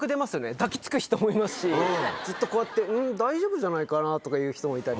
抱き付く人もいますしずっとこうやって大丈夫じゃないかな？とかいう人もいたり。